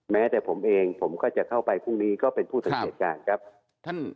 แม้แต่ผมเองผมก็จะเข้าไปพรุ่งนี้ก็เป็นผู้สังเกตการณ์ครับท่าน